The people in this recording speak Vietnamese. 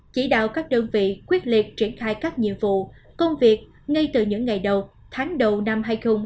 chỉ đạo các đơn vị quyết liệt triển khai các nhiệm vụ công việc ngay từ những ngày đầu tháng đầu năm hai nghìn hai mươi bốn